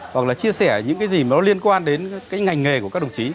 hoặc là chia sẻ những cái gì mà nó liên quan đến cái ngành nghề của các đồng chí